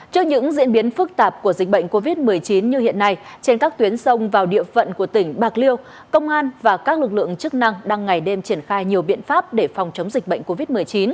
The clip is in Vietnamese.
trước những diễn biến phức tạp của dịch bệnh covid một mươi chín như hiện nay trên các tuyến sông vào địa phận của tỉnh bạc liêu công an và các lực lượng chức năng đang ngày đêm triển khai nhiều biện pháp để phòng chống dịch bệnh covid một mươi chín